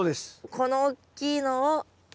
このおっきいのを。